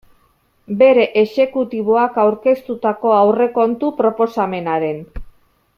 Bere exekutiboak aurkeztutako aurrekontu proposamenaren.